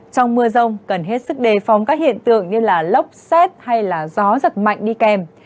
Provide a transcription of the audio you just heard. trong mưa rông cần hết sức đề phóng các hiện tượng như lốc xét hay gió giật mạnh đi kèm